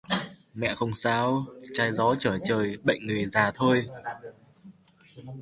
Mẹ không sao trái gió Trở trời bệnh người gìa thôi